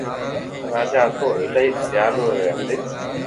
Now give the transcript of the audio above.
راجا ھتو او ايلائي ديالو رحمدل